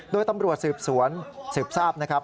โดยตำรวจสืบสวนสืบทราบนะครับ